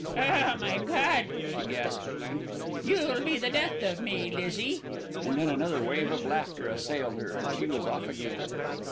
"Oh, my God!" she gasped at length. "You'll be the death of me, Lizzie," and then another wave of laughter assailed her, and she was off again.